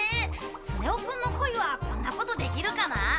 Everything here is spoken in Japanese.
スネ夫くんのコイはこんなことできるかな？